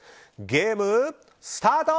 ゲームスタート！